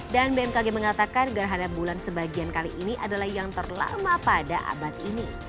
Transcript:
dan bmkg mengatakan gerhana bulan sebagian kali ini adalah yang terlama pada abad ini